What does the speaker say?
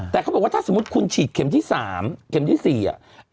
แต่เขาบอกว่าถ้าสมมุติคุณฉีดเข็มที่๓เข็มที่๔อ่ะ